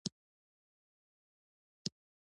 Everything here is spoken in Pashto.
آیا دوی د افغانستان ډبرې هم نه اخلي؟